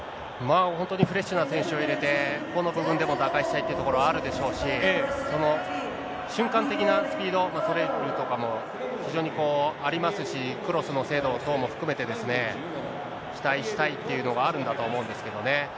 本当にフレッシュな選手を入れて、個の部分でも打開したいというところあるでしょうし、瞬間的なスピード、ソレールとかも非常にありますし、クロスも含めて、期待したいっていうのがあるんだと思うんですけどね、。